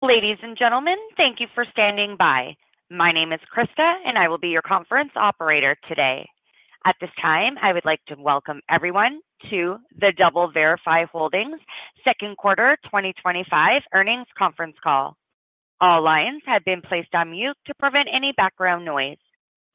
Ladies and gentlemen, thank you for standing by. My name is Krista, and I will be your conference operator today. At this time, I would like to welcome everyone to the DoubleVerify Holdings' Second Quarter 2025 Earnings Conference Call. All lines have been placed on mute to prevent any background noise.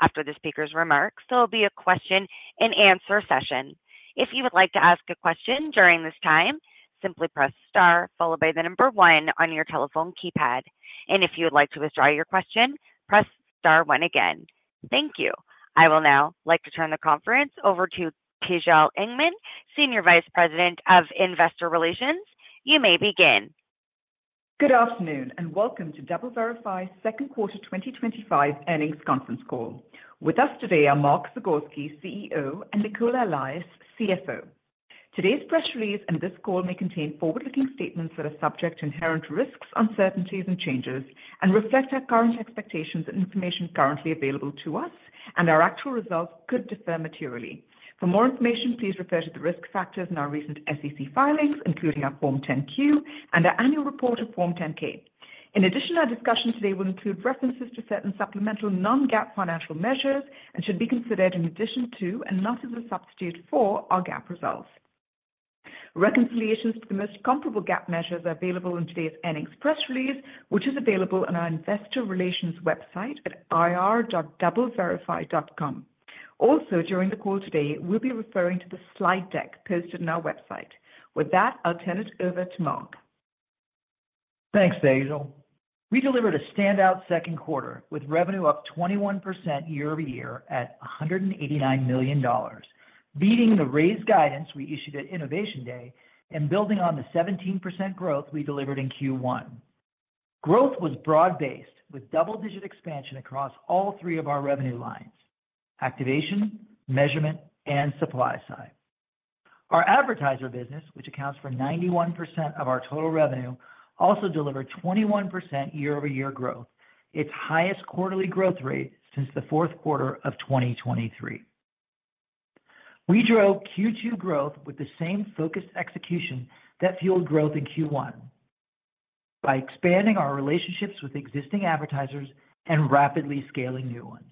After the speaker's remarks, there will be a question and answer session. If you would like to ask a question during this time, simply press star followed by the number one on your telephone keypad. If you would like to withdraw your question, press star one again. Thank you. I will now like to turn the conference over to Tejal Engman, Senior Vice President of Investor Relations. You may begin. Good afternoon and welcome to DoubleVerify's second quarter 2025 earnings conference call. With us today are Mark Zagorski, CEO, and Nicola Allais, CFO. Today's press release and this call may contain forward-looking statements that are subject to inherent risks, uncertainties, and changes and reflect our current expectations and information currently available to us, and our actual results could differ materially. For more information, please refer to the risk factors in our recent SEC filings, including our Form 10-Q and our annual report on Form 10-K. In addition, our discussion today will include references to certain supplemental non-GAAP financial measures and should be considered in addition to and not as a substitute for our GAAP results. Reconciliations for the most comparable GAAP measures are available in today's earnings press release, which is available on our Investor Relations website at ir.doubleverify.com. Also, during the call today, we'll be referring to the slide deck posted on our website. With that, I'll turn it over to Mark. Thanks, Tejal. We delivered a standout second quarter with revenue up 21% year over year at $189 million, beating the raised guidance we issued at Innovation Day and building on the 17% growth we delivered in Q1. Growth was broad-based with double-digit expansion across all three of our revenue lines: activation, measurement, and supply side. Our advertiser business, which accounts for 91% of our total revenue, also delivered 21% year-over-year growth, its highest quarterly growth rate since the fourth quarter of 2023. We drove Q2 growth with the same focused execution that fueled growth in Q1 by expanding our relationships with existing advertisers and rapidly scaling new ones.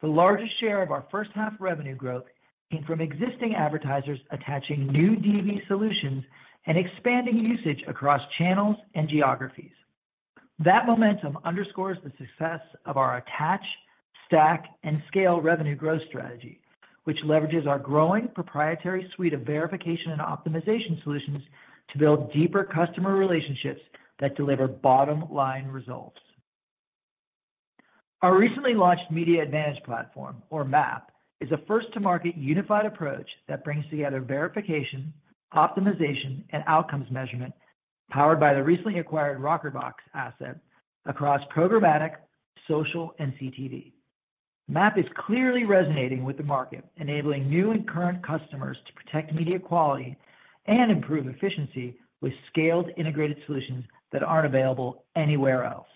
The largest share of our first-half revenue growth came from existing advertisers attaching new DV solutions and expanding usage across channels and geographies. That momentum underscores the success of our attach, stack, and scale revenue growth strategy, which leverages our growing proprietary suite of verification and optimization solutions to build deeper customer relationships that deliver bottom-line results. Our recently launched Media Advantage Platform, or MAP, is a first-to-market unified approach that brings together verification, optimization, and outcomes measurement, powered by the recently acquired Rockerbox asset across programmatic, social, and CTV. MAP is clearly resonating with the market, enabling new and current customers to protect media quality and improve efficiency with scaled integrated solutions that aren't available anywhere else.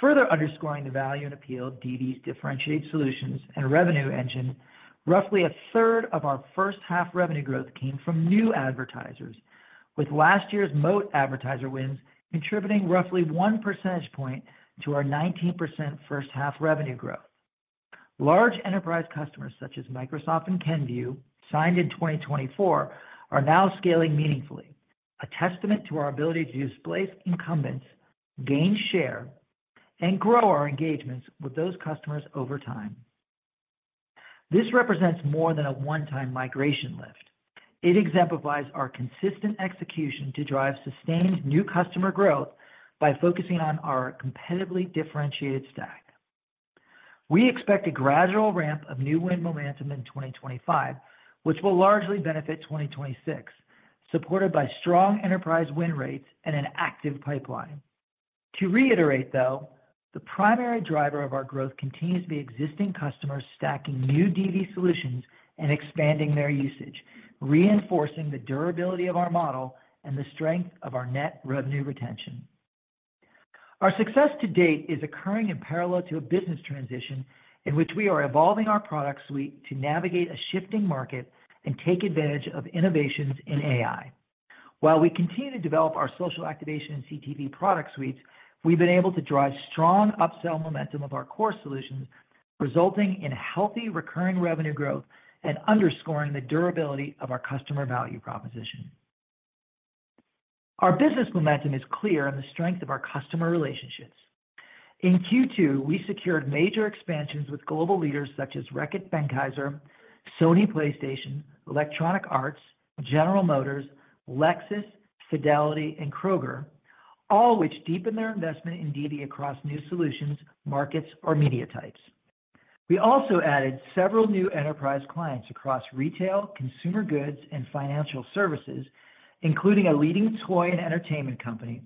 Further underscoring the value and appeal of DV's differentiated solutions and revenue engine, roughly a third of our first-half revenue growth came from new advertisers, with last year's MOAT advertiser wins contributing roughly one percentage point to our 19% first-half revenue growth. Large enterprise customers such as Microsoft and Kenvue, signed in 2024, are now scaling meaningfully, a testament to our ability to displace incumbents, gain share, and grow our engagements with those customers over time. This represents more than a one-time migration lift. It exemplifies our consistent execution to drive sustained new customer growth by focusing on our competitively differentiated stack. We expect a gradual ramp of new win momentum in 2025, which will largely benefit 2026, supported by strong enterprise win rates and an active pipeline. To reiterate, though, the primary driver of our growth continues to be existing customers stacking new DV solutions and expanding their usage, reinforcing the durability of our model and the strength of our net revenue retention. Our success to date is occurring in parallel to a business transition in which we are evolving our product suite to navigate a shifting market and take advantage of innovations in AI. While we continue to develop our social activation and CTV product suites, we've been able to drive strong upsell momentum of our core solutions, resulting in healthy recurring revenue growth and underscoring the durability of our customer value proposition. Our business momentum is clear in the strength of our customer relationships. In Q2, we secured major expansions with global leaders such as Reckitt Benckiser, Sony PlayStation, Electronic Arts, General Motors, Lexus, Fidelity, and Kroger, all which deepened their investment in DV across new solutions, markets, or media types. We also added several new enterprise clients across retail, consumer goods, and financial services, including a leading toy and entertainment company,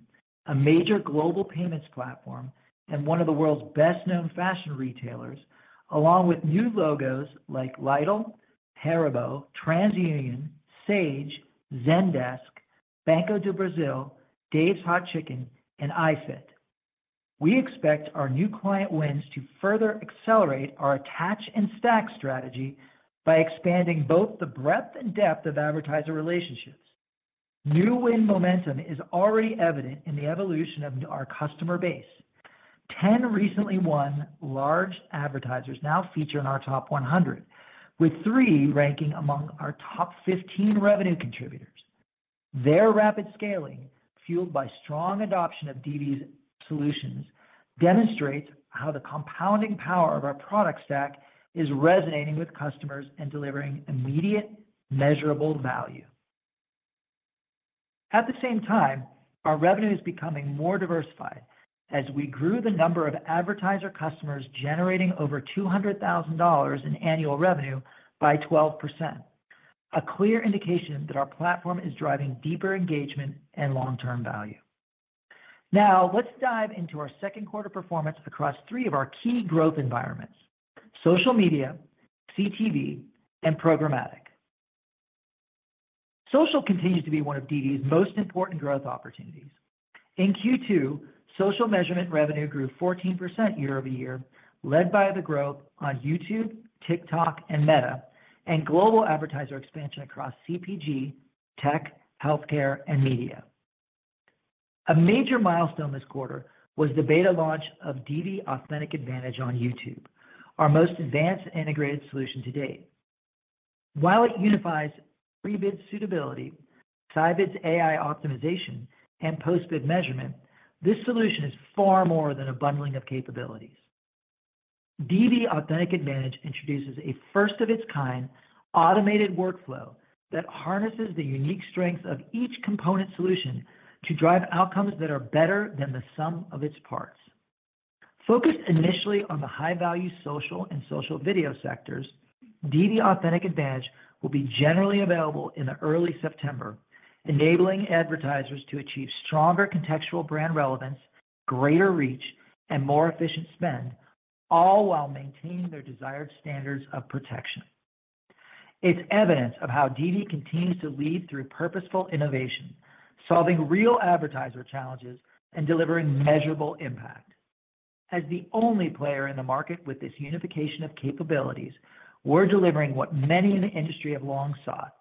a major global payments platform, and one of the world's best-known fashion retailers, along with new logos like Lidl, Parabo, TransUnion, Sage, Zendesk, Banco do Brasil, Dave's Hot Chicken, and iFit. We expect our new client wins to further accelerate our attach and stack strategy by expanding both the breadth and depth of advertiser relationships. New win momentum is already evident in the evolution of our customer base. Ten recently won large advertisers now feature in our top 100, with three ranking among our top 15 revenue contributors. Their rapid scaling, fueled by strong adoption of DV's solutions, demonstrates how the compounding power of our product stack is resonating with customers and delivering immediate, measurable value. At the same time, our revenue is becoming more diversified as we grew the number of advertiser customers generating over $200,000 in annual revenue by 12%, a clear indication that our platform is driving deeper engagement and long-term value. Now, let's dive into our second quarter performance across three of our key growth environments: social media, CTV, and programmatic. Social continues to be one of DV's most important growth opportunities. In Q2, social measurement revenue grew 14% year over year, led by the growth on YouTube, TikTok, and Meta, and global advertiser expansion across CPG, tech, healthcare, and media. A major milestone this quarter was the beta launch of DV Authentic Advantage on YouTube, our most advanced integrated solution to date. While it unifies pre-bid suitability, Scibids AI optimization, and post-bid measurement, this solution is far more than a bundling of capabilities. DV Authentic Advantage introduces a first-of-its-kind automated workflow that harnesses the unique strengths of each component solution to drive outcomes that are better than the sum of its parts. Focused initially on the high-value social and social video sectors, DV Authentic Advantage will be generally available in early September, enabling advertisers to achieve stronger contextual brand relevance, greater reach, and more efficient spend, all while maintaining their desired standards of protection. It's evidence of how DV continues to lead through purposeful innovation, solving real advertiser challenges and delivering measurable impact. As the only player in the market with this unification of capabilities, we're delivering what many in the industry have long sought,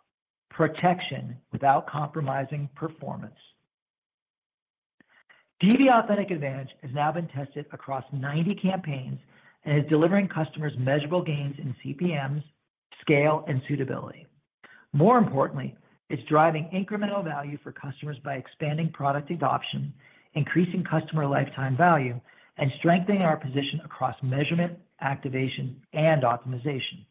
protection without compromising performance. DV Authentic Advantage has now been tested across 90 campaigns and is delivering customers measurable gains in CPMs, scale, and suitability. More importantly, it's driving incremental value for customers by expanding product adoption, increasing customer lifetime value, and strengthening our position across measurement, activation, and optimization.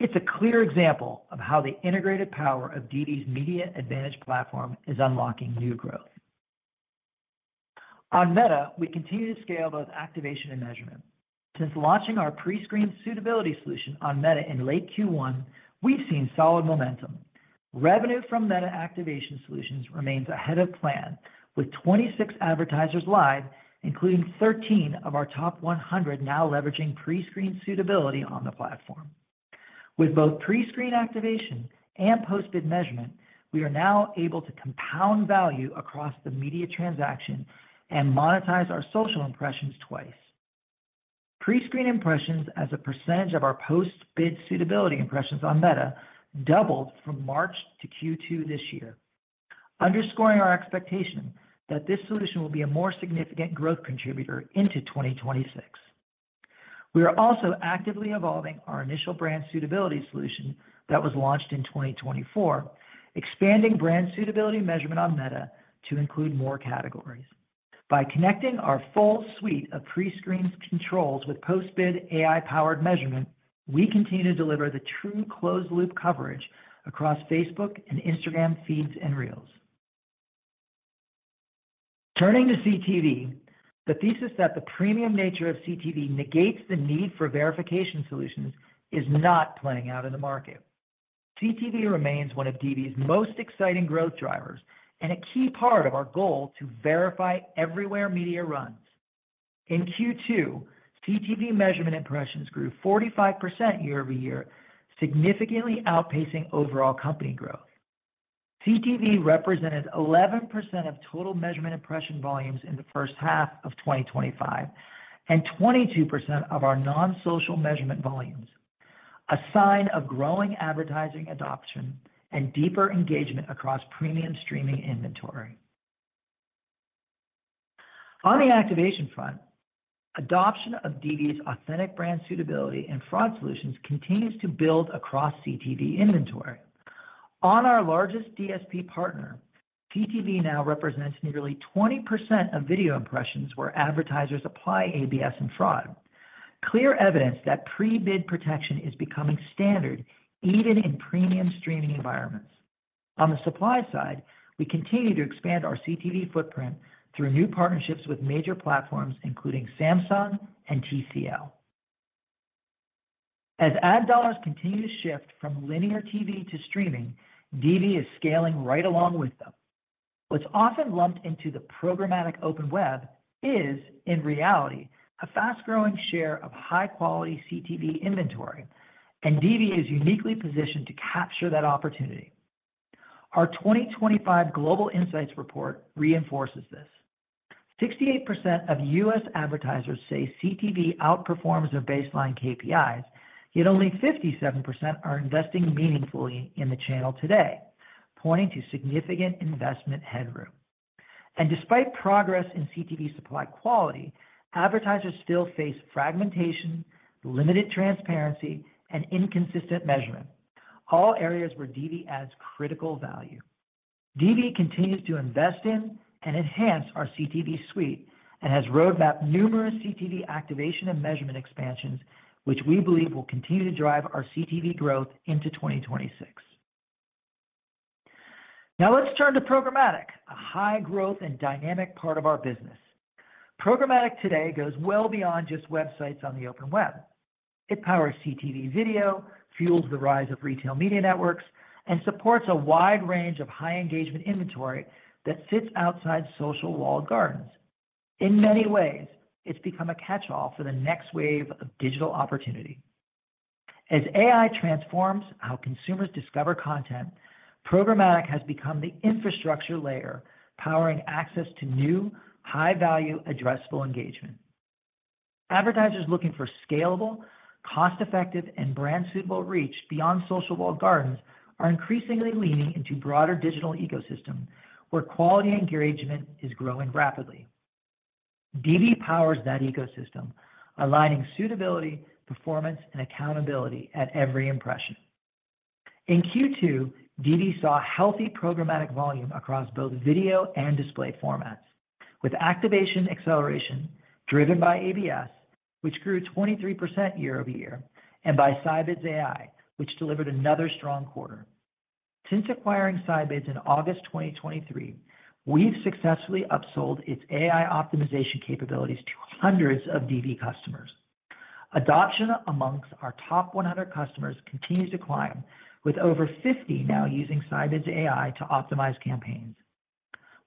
It's a clear example of how the integrated power of DV's Media Advantage Platform is unlocking new growth. On Meta, we continue to scale both activation and measurement. Since launching our pre-screen suitability solution on Meta in late Q1, we've seen solid momentum. Revenue from Meta activation solutions remains ahead of plan, with 26 advertisers live, including 13 of our top 100 now leveraging pre-screen suitability on the platform. With both pre-screen activation and post-bid measurement, we are now able to compound value across the media transaction and monetize our social impressions twice. Pre-screen impressions, as a percentage of our post-bid suitability impressions on Meta, doubled from March to Q2 this year, underscoring our expectation that this solution will be a more significant growth contributor into 2026. We are also actively evolving our initial brand suitability solution that was launched in 2024, expanding brand suitability measurement on Meta to include more categories. By connecting our full suite of pre-screen controls with post-bid AI-powered measurement, we continue to deliver the true closed-loop coverage across Facebook and Instagram feeds and Reels. Turning to CTV, the thesis that the premium nature of CTV negates the need for verification solutions is not playing out in the market. CTV remains one of DV's most exciting growth drivers and a key part of our goal to verify everywhere media runs. In Q2, CTV measurement impressions grew 45% year over year, significantly outpacing overall company growth. CTV represented 11% of total measurement impression volumes in the first half of 2025 and 22% of our non-social measurement volumes, a sign of growing advertising adoption and deeper engagement across premium streaming inventory. On the activation front, adoption of DV's Authentic Brand Suitability and fraud solutions continues to build across CTV inventory. On our largest DSP partner, CTV now represents nearly 20% of video impressions where advertisers apply ABS and fraud, clear evidence that pre-bid protection is becoming standard even in premium streaming environments. On the supply side, we continue to expand our CTV footprint through new partnerships with major platforms, including Samsung and TCL. As ad dollars continue to shift from linear TV to streaming, DV is scaling right along with them. What's often lumped into the programmatic open web is, in reality, a fast-growing share of high-quality CTV inventory, and DV is uniquely positioned to capture that opportunity. Our 2025 Global Insights report reinforces this. 68% of U.S. advertisers say CTV outperforms their baseline KPIs, yet only 57% are investing meaningfully in the channel today, pointing to significant investment headroom. Despite progress in CTV supply quality, advertisers still face fragmentation, limited transparency, and inconsistent measurement, all areas where DV adds critical value. DV continues to invest in and enhance our CTV suite and has roadmapped numerous CTV activation and measurement expansions, which we believe will continue to drive our CTV growth into 2026. Now let's turn to programmatic, a high-growth and dynamic part of our business. Programmatic today goes well beyond just websites on the open web. It powers CTV video, fuels the rise of retail media networks, and supports a wide range of high-engagement inventory that sits outside social walled gardens. In many ways, it's become a catch-all for the next wave of digital opportunity. As AI transforms how consumers discover content, programmatic has become the infrastructure layer powering access to new, high-value, addressable engagement. Advertisers looking for scalable, cost-effective, and brand-suitable reach beyond social walled gardens are increasingly leaning into a broader digital ecosystem where quality engagement is growing rapidly. DV powers that ecosystem, aligning suitability, performance, and accountability at every impression. In Q2, DV saw healthy programmatic volume across both video and display formats, with activation acceleration driven by ABS, which grew 23% year over year, and by Scibids AI, which delivered another strong quarter. Since acquiring Scibids in August 2023, we've successfully upsold its AI optimization capabilities to hundreds of DV customers. Adoption amongst our top 100 customers continues to climb, with over 50 now using Scibids AI to optimize campaigns.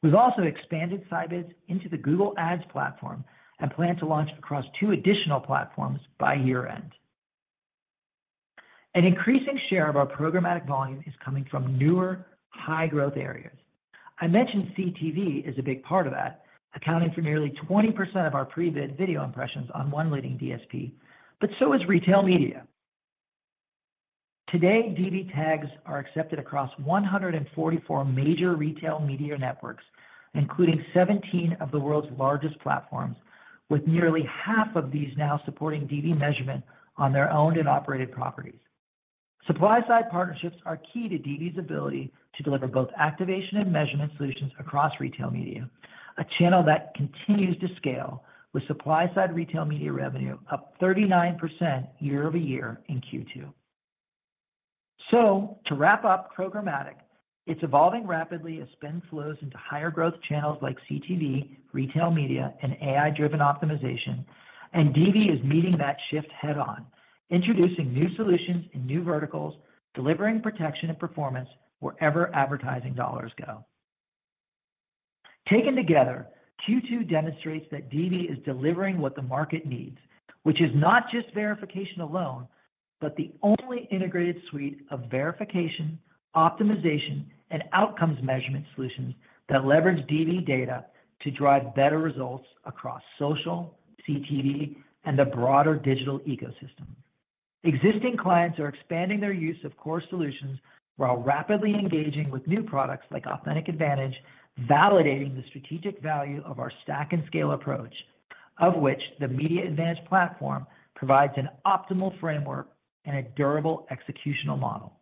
We've also expanded Scibids into the Google Ads platform and plan to launch across two additional platforms by year-end. An increasing share of our programmatic volume is coming from newer, high-growth areas. I mentioned CTV is a big part of that, accounting for nearly 20% of our pre-bid video impressions on one leading DSP, but so is retail media. Today, DV tags are accepted across 144 major retail media networks, including 17 of the world's largest platforms, with nearly half of these now supporting DV measurement on their owned and operated properties. Supply-side partnerships are key to DV's ability to deliver both activation and measurement solutions across retail media, a channel that continues to scale, with supply-side retail media revenue up 39% year over year in Q2. To wrap up programmatic, it's evolving rapidly as spend flows into higher-growth channels like CTV, retail media, and AI-driven optimization, and DV is meeting that shift head-on, introducing new solutions in new verticals, delivering protection and performance wherever advertising dollars go. Taken together, Q2 demonstrates that DV is delivering what the market needs, which is not just verification alone, but the only integrated suite of verification, optimization, and outcomes measurement solutions that leverage DV data to drive better results across social, CTV, and the broader digital ecosystem. Existing clients are expanding their use of core solutions while rapidly engaging with new products like Authentic Advantage, validating the strategic value of our stack and scale approach, of which the Media Advantage Platform provides an optimal framework and a durable executional model.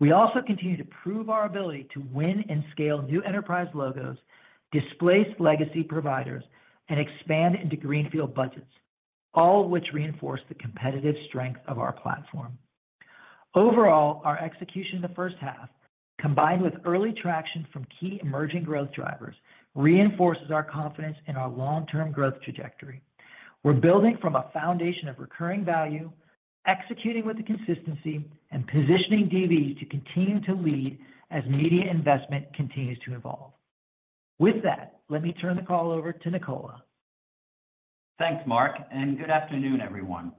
We also continue to prove our ability to win and scale new enterprise logos, displace legacy providers, and expand into greenfield budgets, all of which reinforce the competitive strength of our platform. Overall, our execution in the first half, combined with early traction from key emerging growth drivers, reinforces our confidence in our long-term growth trajectory. We're building from a foundation of recurring value, executing with consistency, and positioning DV to continue to lead as media investment continues to evolve. With that, let me turn the call over to Nicola. Thanks, Mark, and good afternoon, everyone.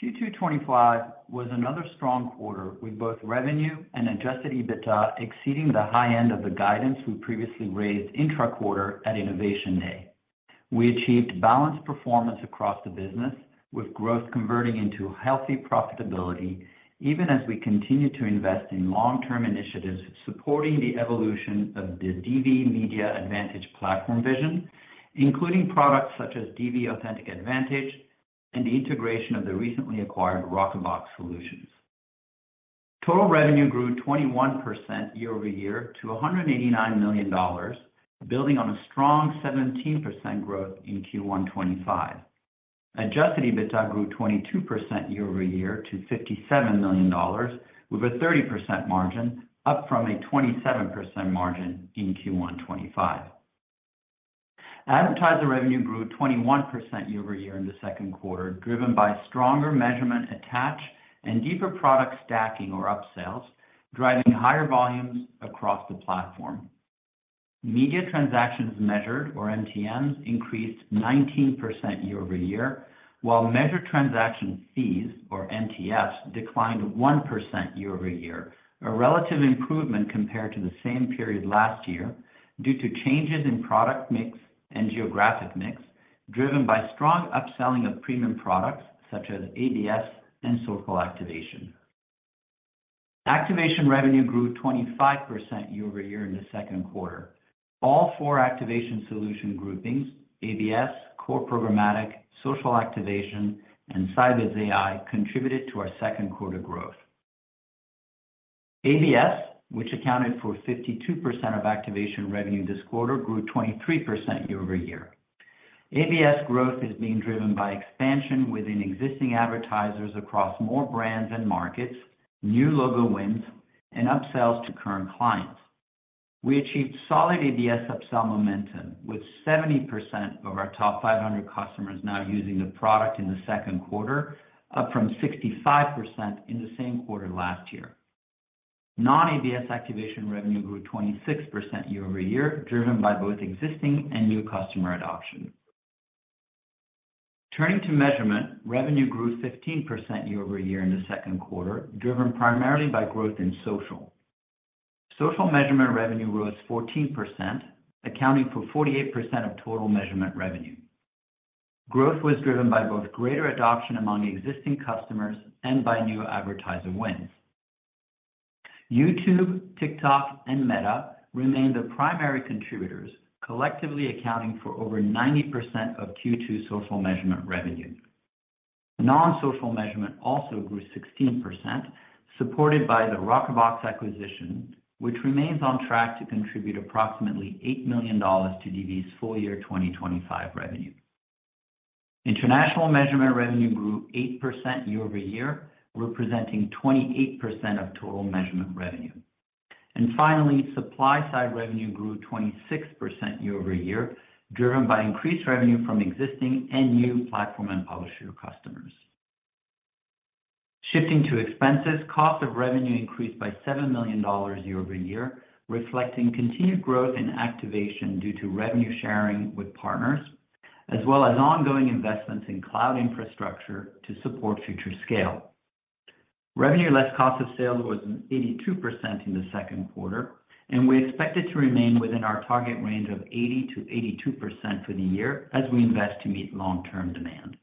Q2 2025 was another strong quarter with both revenue and adjusted EBITDA exceeding the high end of the guidance we previously raised intra-quarter at Innovation Day. We achieved balanced performance across the business, with growth converting into healthy profitability, even as we continued to invest in long-term initiatives supporting the evolution of the DV Media Advantage Platform vision, including products such as DV Authentic Advantage and the integration of the recently acquired Rockerbox solutions. Total revenue grew 21% year over year to $189 million, building on a strong 17% growth in Q1 2025. Adjusted EBITDA grew 22% year over year to $57 million, with a 30% margin, up from a 27% margin in Q1 2025. Advertiser revenue grew 21% year over year in the second quarter, driven by stronger measurement attach and deeper product stacking or upsells, driving higher volumes across the platform. Media transactions measured, or MTMs, increased 19% year over year, while measured transaction fees, or MTFs, declined 1% year over year, a relative improvement compared to the same period last year due to changes in product mix and geographic mix, driven by strong upselling of premium products such as ABS and social activation. Activation revenue grew 25% year over year in the second quarter. All four activation solution groupings, ABS, core programmatic, social activation, and Scibids AI, contributed to our second quarter growth. ABS, which accounted for 52% of activation revenue this quarter, grew 23% year over year. ABS growth is being driven by expansion within existing advertisers across more brands and markets, new logo wins, and upsells to current clients. We achieved solid ABS upsell momentum, with 70% of our top 500 customers now using the product in the second quarter, up from 65% in the same quarter last year. Non-ABS activation revenue grew 26% year over year, driven by both existing and new customer adoption. Turning to measurement, revenue grew 15% year over year in the second quarter, driven primarily by growth in social. Social measurement revenue rose 14%, accounting for 48% of total measurement revenue. Growth was driven by both greater adoption among existing customers and by new advertiser wins. YouTube, TikTok, and Meta remain the primary contributors, collectively accounting for over 90% of Q2 social measurement revenue. Non-social measurement also grew 16%, supported by the Rockerbox acquisition, which remains on track to contribute approximately $8 million to DV's full-year 2025 revenue. International measurement revenue grew 8% year over year, representing 28% of total measurement revenue. Finally, supply-side revenue grew 26% year over year, driven by increased revenue from existing and new platform and publisher customers. Shifting to expenses, cost of revenue increased by $7 million year over year, reflecting continued growth and activation due to revenue sharing with partners, as well as ongoing investments in cloud infrastructure to support future scale. Revenue less cost of sale was 82% in the second quarter, and we expect it to remain within our target range of 80%-82% for the year as we invest to meet long-term demand.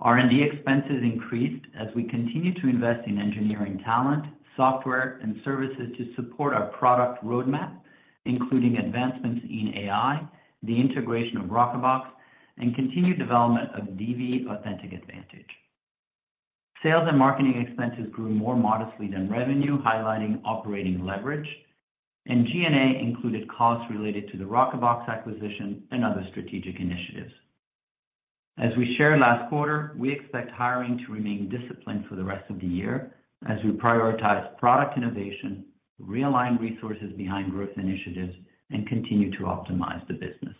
R&D expenses increased as we continue to invest in engineering talent, software, and services to support our product roadmap, including advancements in AI, the integration of Rockerbox, and continued development of DV Authentic Advantage. Sales and marketing expenses grew more modestly than revenue, highlighting operating leverage, and G&A included costs related to the Rockerbox acquisition and other strategic initiatives. As we shared last quarter, we expect hiring to remain disciplined for the rest of the year as we prioritize product innovation, realign resources behind growth initiatives, and continue to optimize the business.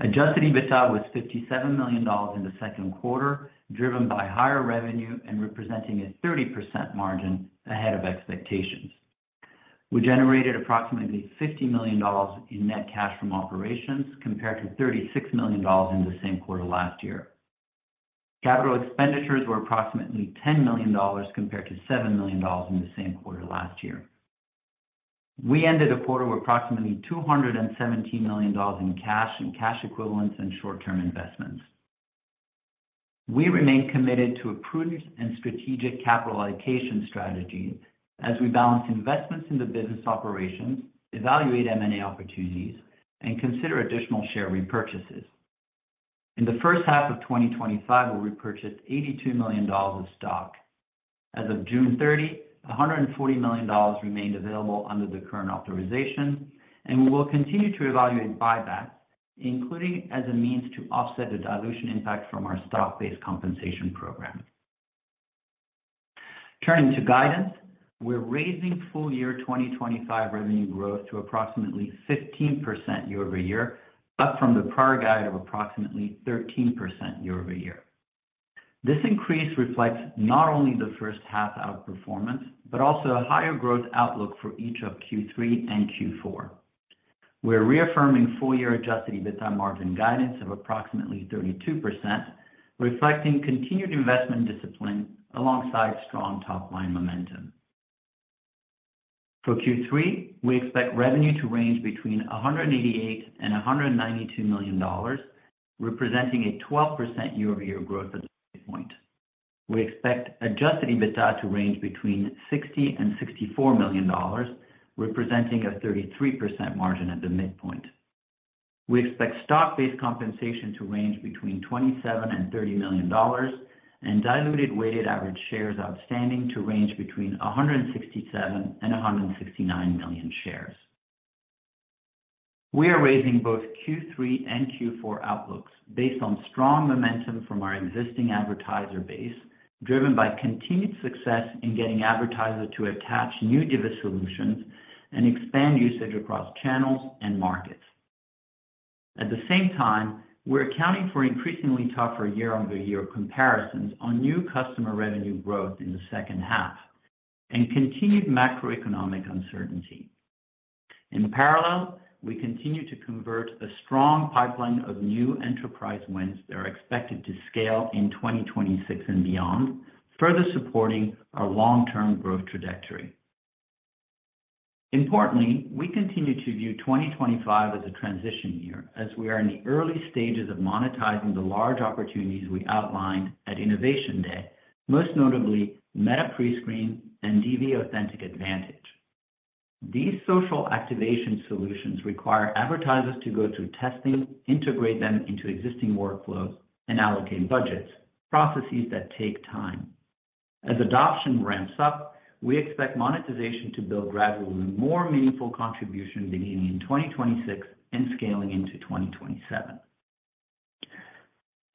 Adjusted EBITDA was $57 million in the second quarter, driven by higher revenue and representing a 30% margin ahead of expectations. We generated approximately $50 million in net cash from operations compared to $36 million in the same quarter last year. Capital expenditures were approximately $10 million compared to $7 million in the same quarter last year. We ended the quarter with approximately $217 million in cash and cash equivalents and short-term investments. We remain committed to a prudent and strategic capitalization strategy as we balance investments in the business operations, evaluate M&A opportunities, and consider additional share repurchases. In the first half of 2025, we'll repurchase $82 million of stock. As of June 30, $140 million remained available under the current authorization, and we will continue to evaluate buyback, including as a means to offset the dilution impact from our stock-based compensation program. Turning to guidance, we're raising full-year 2025 revenue growth to approximately 15% year over year, up from the prior guide of approximately 13% year over year. This increase reflects not only the first half outperformance, but also a higher growth outlook for each of Q3 and Q4. We're reaffirming full-year adjusted EBITDA margin guidance of approximately 32%, reflecting continued investment discipline alongside strong top-line momentum. For Q3, we expect revenue to range between $188 million and $192 million, representing a 12% year-over-year growth at the midpoint. We expect adjusted EBITDA to range between $60 million and $64 million, representing a 33% margin at the midpoint. We expect stock-based compensation to range between $27 million and $30 million, and diluted weighted average shares outstanding to range between 167 million and 169 million shares. We are raising both Q3 and Q4 outlooks based on strong momentum from our existing advertiser base, driven by continued success in getting advertisers to attach new DV solutions and expand usage across channels and markets. At the same time, we're accounting for increasingly tougher year-over-year comparisons on new customer revenue growth in the second half and continued macroeconomic uncertainty. In parallel, we continue to convert a strong pipeline of new enterprise wins that are expected to scale in 2026 and beyond, further supporting our long-term growth trajectory. Importantly, we continue to view 2025 as a transition year, as we are in the early stages of monetizing the large opportunities we outlined at Innovation Day, most notably Meta’s pre-screen suitability solution and DV Authentic Advantage. These social activation solutions require advertisers to go through testing, integrate them into existing workflows, and allocate budgets, processes that take time. As adoption ramps up, we expect monetization to build gradually, with more meaningful contributions beginning in 2026 and scaling into 2027.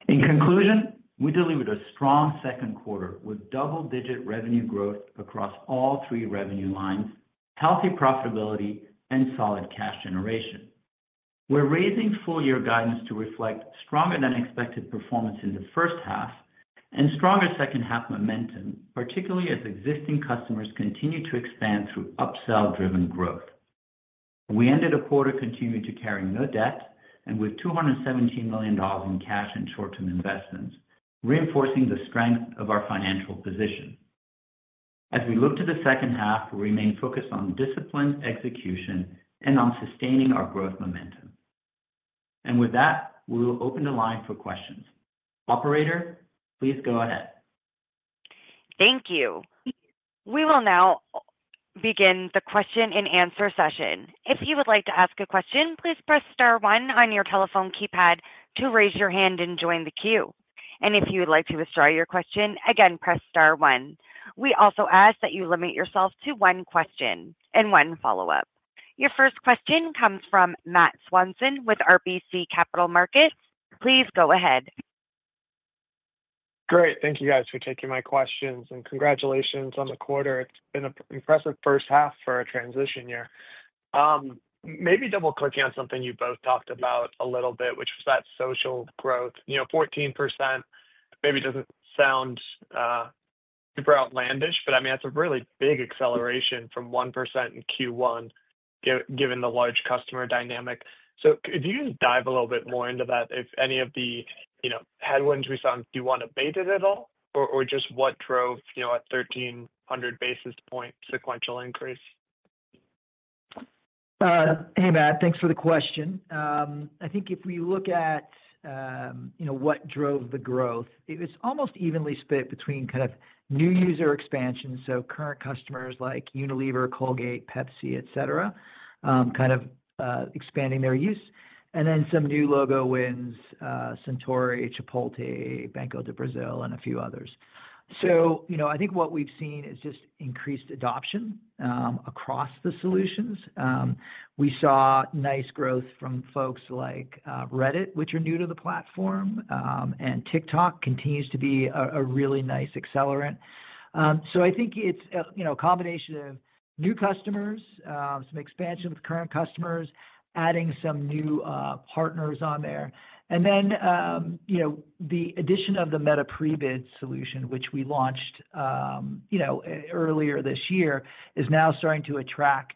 In conclusion, we delivered a strong second quarter with double-digit revenue growth across all three revenue lines, healthy profitability, and solid cash generation. We're raising full-year guidance to reflect stronger than expected performance in the first half and stronger second-half momentum, particularly as existing customers continue to expand through upsell-driven growth. We ended a quarter continuing to carry no debt and with $217 million in cash and short-term investments, reinforcing the strength of our financial position. As we look to the second half, we remain focused on disciplined execution and on sustaining our growth momentum. With that, we'll open the line for questions. Operator, please go ahead. Thank you. We will now begin the question and answer session. If you would like to ask a question, please press star one on your telephone keypad to raise your hand and join the queue. If you would like to withdraw your question, again, press star one. We also ask that you limit yourself to one question and one follow-up. Your first question comes from Matt Swanson with RBC Capital Markets. Please go ahead. Great. Thank you guys for taking my questions and congratulations on the quarter. It's been an impressive first half for a transition year. Maybe double-clicking on something you both talked about a little bit, which was that social growth. You know, 14% maybe doesn't sound super outlandish, but I mean, that's a really big acceleration from 1% in Q1, given the large customer dynamic. Could you dive a little bit more into that? If any of the headwinds we saw in Q1 abated at all, or just what drove a 1,300 basis point sequential increase? Hey, Matt. Thanks for the question. I think if we look at what drove the growth, it was almost evenly split between kind of new user expansion, so current customers like Unilever, Colgate, Pepsi, et cetera, kind of expanding their use, and then some new logo wins, Centauri, Chipotle, Banco de Brasil, and a few others. I think what we've seen is just increased adoption across the solutions. We saw nice growth from folks like Reddit, which are new to the platform, and TikTok continues to be a really nice accelerant. I think it's a combination of new customers, some expansion with current customers, adding some new partners on there, and then the addition of the Meta pre-bid solution, which we launched earlier this year, is now starting to attract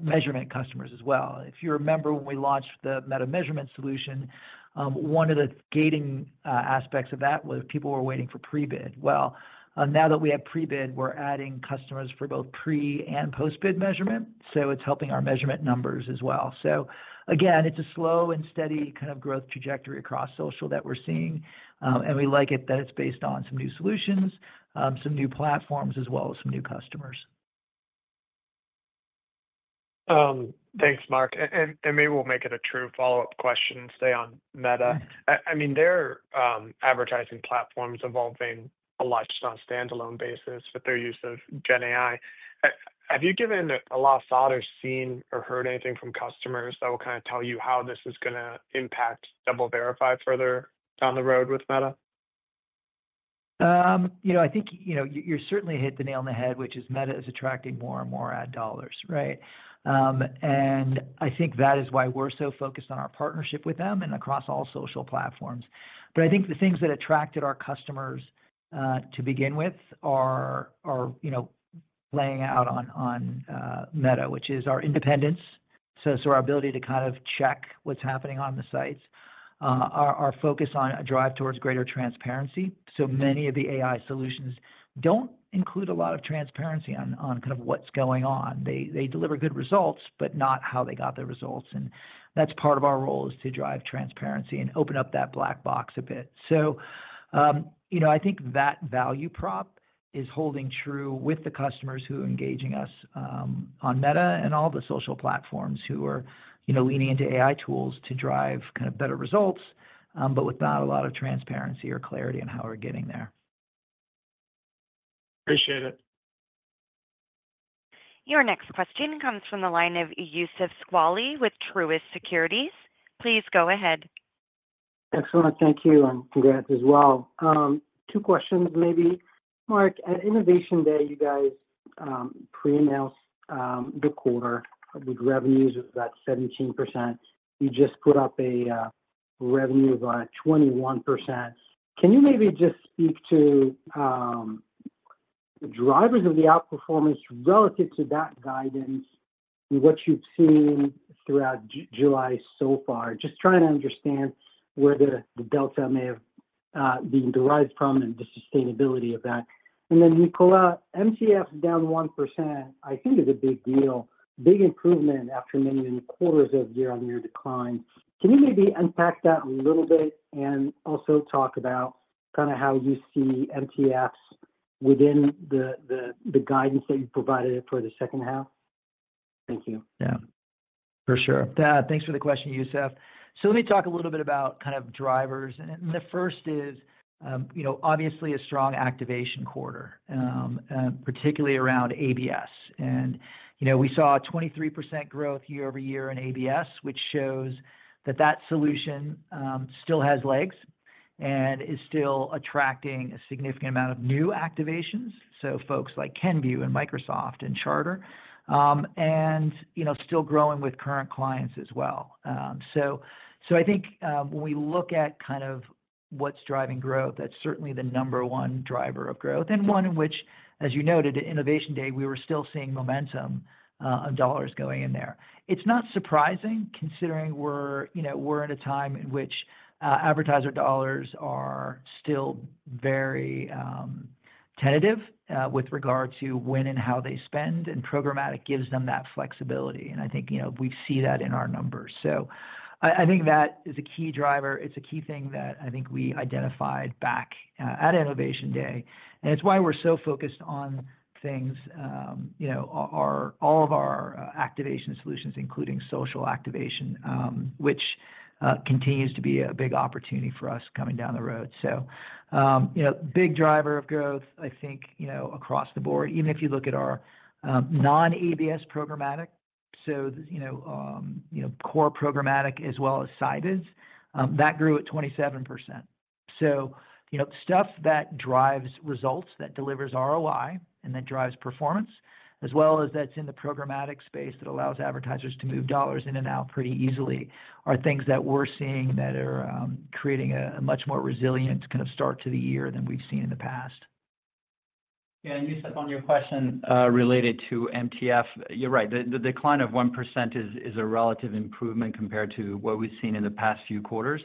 measurement customers as well. If you remember when we launched the Meta measurement solution, one of the gating aspects of that was people were waiting for pre-bid. Now that we have pre-bid, we're adding customers for both pre and post-bid measurement, so it's helping our measurement numbers as well. Again, it's a slow and steady kind of growth trajectory across social that we're seeing, and we like it that it's based on some new solutions, some new platforms, as well as some new customers. Thanks, Mark. Maybe we'll make it a true follow-up question and stay on Meta. I mean, their advertising platform's evolving a lot just on a standalone basis with their use of GenAI. Have you given a lot of thought or seen or heard anything from customers that will kind of tell you how this is going to impact DoubleVerify further down the road with Meta? I think you certainly hit the nail on the head, which is Meta is attracting more and more ad dollars, right? I think that is why we're so focused on our partnership with them and across all social platforms. I think the things that attracted our customers to begin with are playing out on Meta, which is our independence. Our ability to kind of check what's happening on the sites, our focus on a drive towards greater transparency. Many of the AI solutions don't include a lot of transparency on kind of what's going on. They deliver good results, but not how they got the results. That's part of our role, to drive transparency and open up that black box a bit. I think that value prop is holding true with the customers who are engaging us on Meta and all the social platforms who are leaning into AI tools to drive kind of better results, but without a lot of transparency or clarity on how we're getting there. Appreciate it. Your next question comes from the line of Youssef Squali with Truist Securities. Please go ahead. Excellent. Thank you. I'm glad as well. Two questions, maybe. Mark, at Innovation Day, you guys pre-announced the quarter with revenues of about 17%. You just put up a revenue of about 21%. Can you maybe just speak to the drivers of the outperformance relative to that guidance and what you've seen throughout July so far? Just trying to understand where the delta may have been derived from and the sustainability of that. Nicola, MTF down 1%, I think, is a big deal, big improvement after many quarters of the year on year decline. Can you maybe unpack that a little bit and also talk about kind of how you see MTFs within the guidance that you provided for the second half? Thank you. Yeah, for sure. Thanks for the question, Youssef. Let me talk a little bit about kind of drivers. The first is, obviously a strong activation quarter, particularly around ABS. We saw a 23% growth year over year in ABS, which shows that that solution still has legs and is still attracting a significant amount of new activations, so folks like Kenvue and Microsoft and Charter, and still growing with current clients as well. I think when we look at kind of what's driving growth, that's certainly the number one driver of growth and one in which, as you noted, at Innovation Day, we were still seeing momentum of dollars going in there. It's not surprising considering we're in a time in which advertiser dollars are still very tentative with regard to when and how they spend, and programmatic gives them that flexibility. I think we see that in our numbers. I think that is a key driver. It's a key thing that I think we identified back at Innovation Day, and it's why we're so focused on things, all of our activation solutions, including social activation, which continues to be a big opportunity for us coming down the road. Big driver of growth, I think, across the board, even if you look at our non-ABS programmatic, so core programmatic as well as Sybids, that grew at 27%. Stuff that drives results, that delivers ROI, and that drives performance, as well as that's in the programmatic space that allows advertisers to move dollars in and out pretty easily, are things that we're seeing that are creating a much more resilient kind of start to the year than we've seen in the past. Yeah, Youssef, on your question related to MTF, you're right. The decline of 1% is a relative improvement compared to what we've seen in the past few quarters.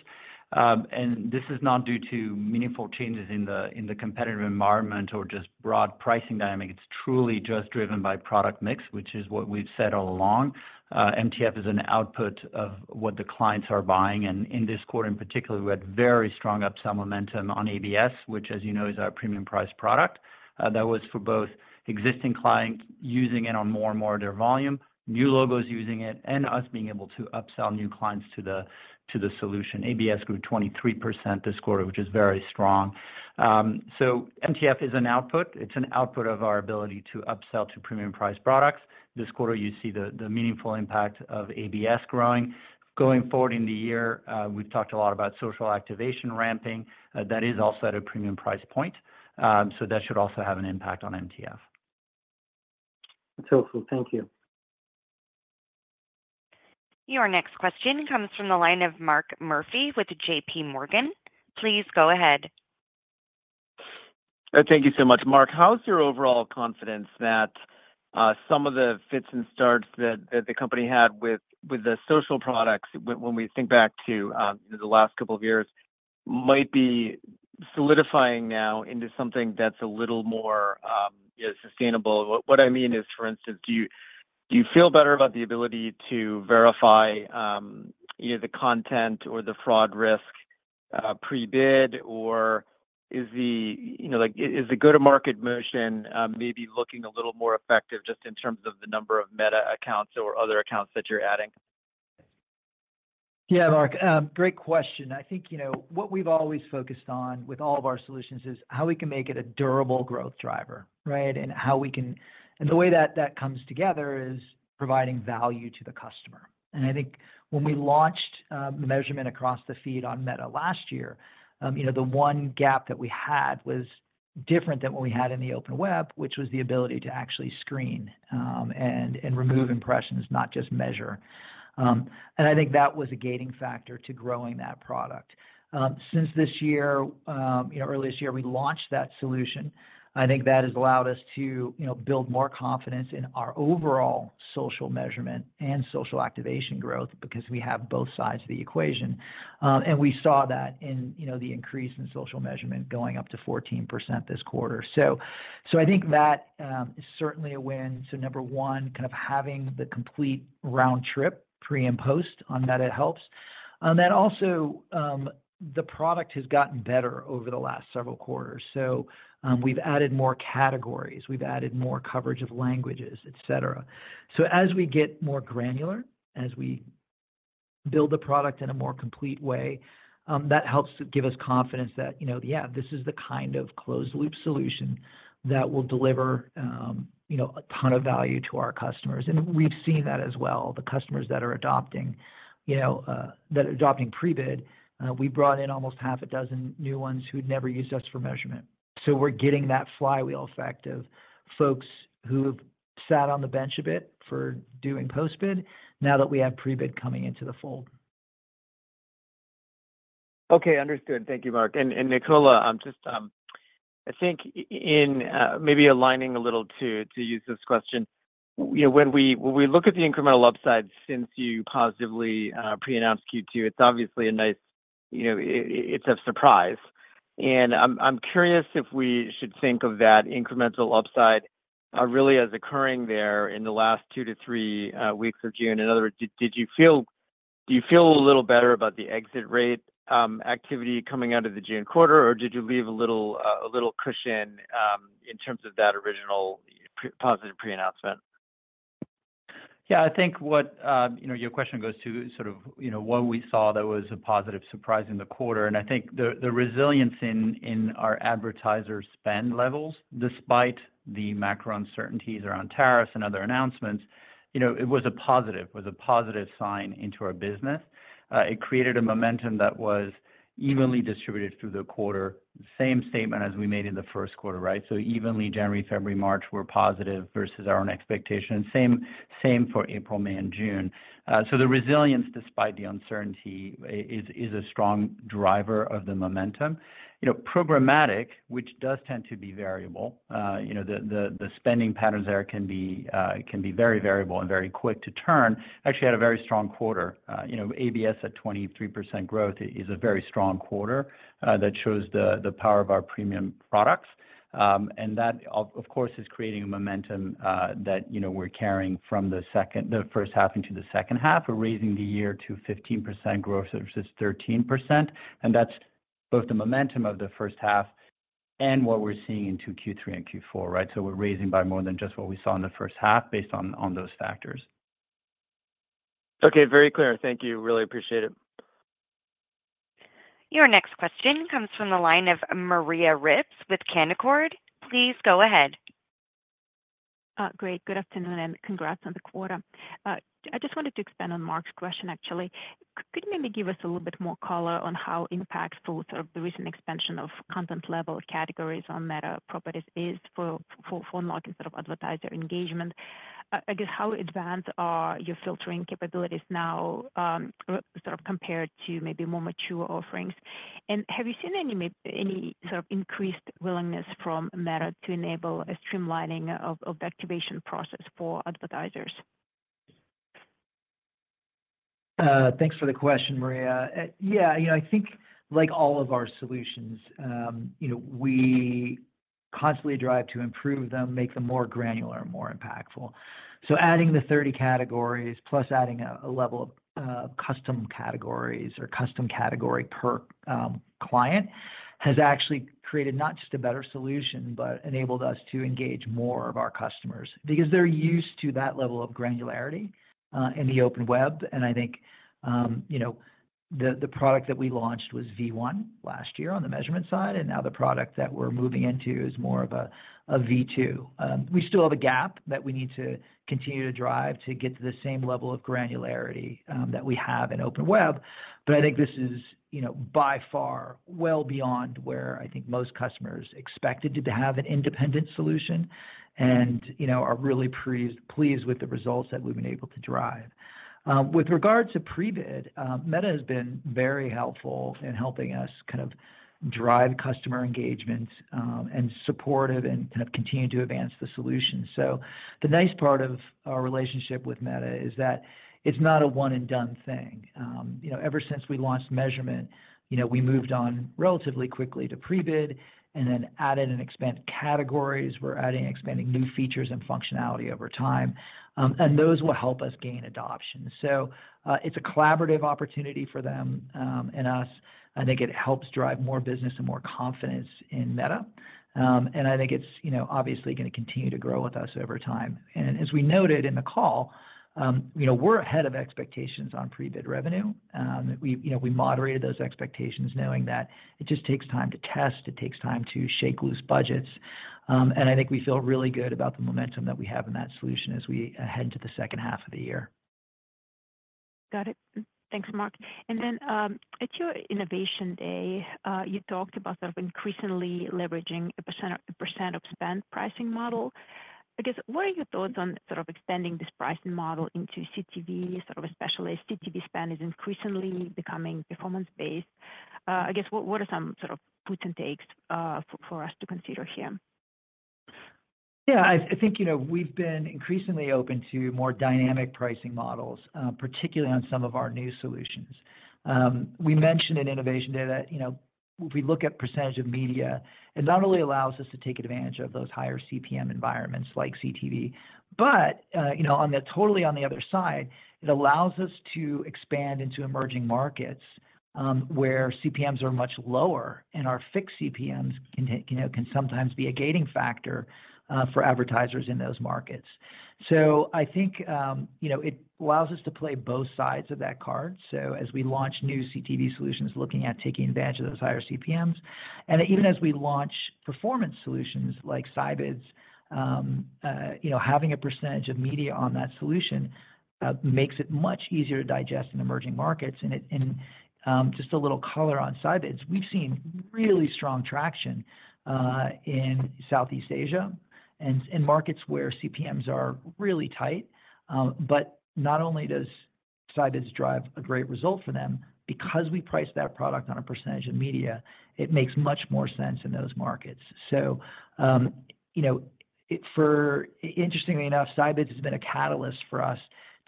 This is not due to meaningful changes in the competitive environment or just broad pricing dynamic. It's truly just driven by product mix, which is what we've said all along. MTF is an output of what the clients are buying. In this quarter in particular, we had very strong upsell momentum on ABS, which, as you know, is our premium priced product. That was for both existing clients using it on more and more of their volume, new logos using it, and us being able to upsell new clients to the solution. ABS grew 23% this quarter, which is very strong. MTF is an output. It's an output of our ability to upsell to premium priced products. This quarter, you see the meaningful impact of ABS growing. Going forward in the year, we've talked a lot about social activation ramping. That is also at a premium price point. That should also have an impact on MTF. That's helpful. Thank you. Your next question comes from the line of Mark Murphy with JPMorgan. Please go ahead. Thank you so much. Mark, how's your overall confidence that some of the fits and starts that the company had with the social products, when we think back to the last couple of years, might be solidifying now into something that's a little more sustainable? What I mean is, for instance, do you feel better about the ability to verify either the content or the fraud risk pre-bid, or is the go-to-market motion maybe looking a little more effective just in terms of the number of Meta accounts or other accounts that you're adding? Yeah, Mark, great question. I think what we've always focused on with all of our solutions is how we can make it a durable growth driver, right? The way that that comes together is providing value to the customer. I think when we launched measurement across the feed on Meta last year, the one gap that we had was different than what we had in the open web, which was the ability to actually screen and remove impressions, not just measure. I think that was a gating factor to growing that product. Since this year, earlier this year, we launched that solution. I think that has allowed us to build more confidence in our overall social measurement and social activation growth because we have both sides of the equation. We saw that in the increase in social measurement going up to 14% this quarter. I think that is certainly a win. Number one, kind of having the complete round trip pre and post on Meta helps. The product has gotten better over the last several quarters. We've added more categories. We've added more coverage of languages, et cetera. As we get more granular, as we build the product in a more complete way, that helps give us confidence that, yeah, this is the kind of closed-loop solution that will deliver a ton of value to our customers. We've seen that as well. The customers that are adopting pre-bid, we brought in almost half a dozen new ones who'd never used us for measurement. We're getting that flywheel effect of folks who sat on the bench a bit for doing post-bid now that we have pre-bid coming into the fold. Okay, understood. Thank you, Mark. Nicola, I'm just, I think in maybe aligning a little to Youssef's question, when we look at the incremental upside since you positively pre-announced Q2, it's obviously a nice, you know, it's a surprise. I'm curious if we should think of that incremental upside really as occurring there in the last two to three weeks of June. In other words, do you feel a little better about the exit rate activity coming out of the June quarter, or did you leave a little cushion in terms of that original positive pre-announcement? Yeah, I think what your question goes to is sort of what we saw that was a positive surprise in the quarter. I think the resilience in our advertiser spend levels, despite the macro uncertainties around tariffs and other announcements, was a positive sign into our business. It created a momentum that was evenly distributed through the quarter, same statement as we made in the first quarter, right? Evenly, January, February, March were positive versus our own expectation. Same for April, May, and June. The resilience, despite the uncertainty, is a strong driver of the momentum. Programmatic, which does tend to be variable, the spending patterns there can be very variable and very quick to turn, actually had a very strong quarter. ABS at 23% growth is a very strong quarter that shows the power of our premium products. That, of course, is creating a momentum that we're carrying from the first half into the second half. We're raising the year to 15% growth versus 13%. That's both the momentum of the first half and what we're seeing into Q3 and Q4, right? We're raising by more than just what we saw in the first half based on those factors. Okay, very clear. Thank you. Really appreciate it. Your next question comes from the line of Maria Ripps with Canaccord. Please go ahead. Great. Good afternoon and congrats on the quarter. I just wanted to expand on Mark's question, actually. Could you maybe give us a little bit more color on how impactful the recent expansion of content level categories on Meta properties is for driving advertiser engagement? I guess how advanced are your filtering capabilities now compared to more mature offerings? Have you seen any increased willingness from Meta to enable a streamlining of the activation process for advertisers? Thanks for the question, Maria. I think like all of our solutions, we constantly drive to improve them, make them more granular and more impactful. Adding the 30 categories plus adding a level of custom categories or custom category per client has actually created not just a better solution, but enabled us to engage more of our customers because they're used to that level of granularity in the open web. I think the product that we launched was V1 last year on the measurement side, and now the product that we're moving into is more of a V2. We still have a gap that we need to continue to drive to get to the same level of granularity that we have in open web. I think this is by far well beyond where I think most customers expected to have an independent solution and are really pleased with the results that we've been able to drive. With regard to pre-bid, Meta has been very helpful in helping us kind of drive customer engagement and support and continue to advance the solution. The nice part of our relationship with Meta is that it's not a one-and-done thing. Ever since we launched measurement, we moved on relatively quickly to pre-bid and then added and expanded categories. We're adding and expanding new features and functionality over time, and those will help us gain adoption. It's a collaborative opportunity for them and us. I think it helps drive more business and more confidence in Meta. I think it's obviously going to continue to grow with us over time. As we noted in the call, we're ahead of expectations on pre-bid revenue. We moderated those expectations knowing that it just takes time to test. It takes time to shake loose budgets. I think we feel really good about the momentum that we have in that solution as we head into the second half of the year. Got it. Thanks, Mark. At your Innovation Day, you talked about increasingly leveraging a percent of spend pricing model. What are your thoughts on expanding this pricing model into CTV? A specialist CTV spend is increasingly becoming performance-based. What are some puts and takes for us to consider here? Yeah, I think we've been increasingly open to more dynamic pricing models, particularly on some of our new solutions. We mentioned in Innovation Day that if we look at the percentage of media, it not only allows us to take advantage of those higher CPM environments like CTV, but on the other side, it allows us to expand into emerging markets where CPMs are much lower and our fixed CPMs can sometimes be a gating factor for advertisers in those markets. I think it allows us to play both sides of that card. As we launch new CTV solutions, looking at taking advantage of those higher CPMs, and even as we launch performance solutions like Scibids, having a percentage of media on that solution makes it much easier to digest in emerging markets. Just a little color on Scibids, we've seen really strong traction in Southeast Asia and in markets where CPMs are really tight. Not only does Scibids drive a great result for them, because we price that product on a percentage of media, it makes much more sense in those markets. Interestingly enough, Scibids has been a catalyst for us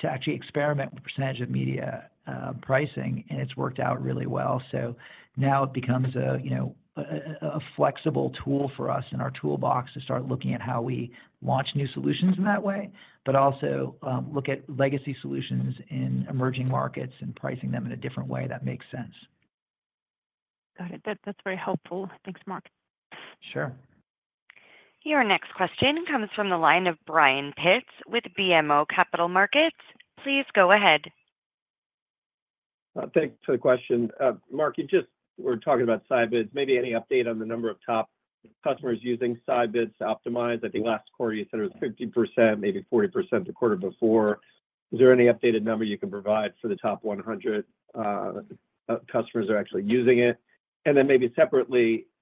to actually experiment with a percentage of media pricing, and it's worked out really well. Now it becomes a flexible tool for us in our toolbox to start looking at how we launch new solutions in that way, but also look at legacy solutions in emerging markets and pricing them in a different way that makes sense. Got it. That's very helpful. Thanks, Mark. Sure. Your next question comes from the line of Brian Pitz with BMO Capital Markets. Please go ahead. Thanks for the question. Mark, you just were talking about Scibids. Maybe any update on the number of top customers using Scibids to optimize? I think last quarter you said it was 50%, maybe 40% the quarter before. Is there any updated number you can provide for the top 100 customers who are actually using it?